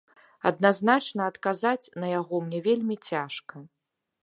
Адназначна адказаць на яго мне вельмі цяжка.